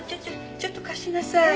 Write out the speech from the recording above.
ちょっと貸しなさい。